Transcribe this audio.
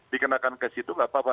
dikenakan ke situ nggak apa apa